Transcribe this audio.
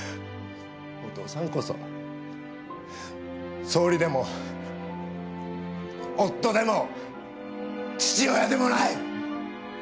お父さんこそ総理でも夫でも父親でもない！